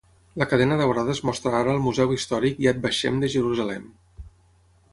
La cadena daurada es mostra ara al museu històric Yad Vashem de Jerusalem.